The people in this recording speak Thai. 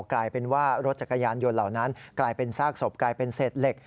กลายเป็นว่ารถจักรยานยนต์เหล่านั้นกลายเป็นซากศพกลายเป็นเศษเหล็ก